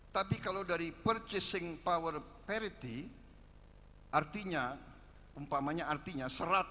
tapi kalau dari ppp artinya umpamanya artinya